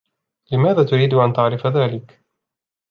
لماذا تريد أن تعرف ذلك ؟